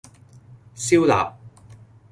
燒臘